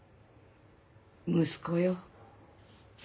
息子よ。